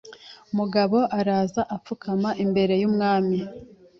Mugabo araza apfukama imbere y' umwami